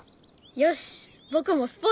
よし！